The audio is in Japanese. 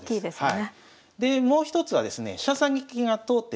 はい。